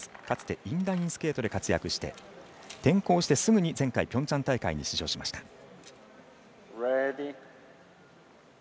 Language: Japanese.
かつてインラインスケートで活躍して転向してすぐに前回ピョンチャン大会に出場しました。